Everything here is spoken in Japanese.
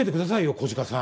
小鹿さん。